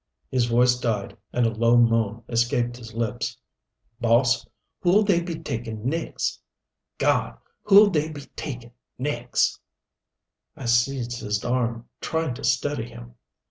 His voice died and a low moan escaped his lips. "Boss, who'll they be takin' nex'? Gawd, who'll they be takin' nex' ?" I seized his arm, trying to steady him.